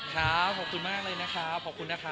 ขอบคุณมากเลยนะครับ